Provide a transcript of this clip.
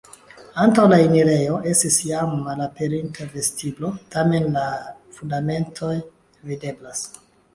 Antaŭ la enirejo estis jam malaperinta vestiblo, tamen la fundamentoj videblas.